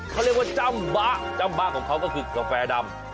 เขาเรียกว่าจ้ำบ๊ะจำบะของเขาก็คือกาแฟดำ